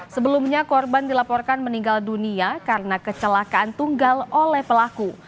sebelumnya korban dilaporkan meninggal dunia karena kecelakaan tunggal oleh pelaku